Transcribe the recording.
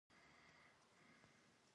خو رقیبان ظالمان خنډ جوړېږي.